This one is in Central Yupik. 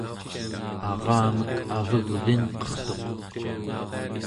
aramek avegvingqertuq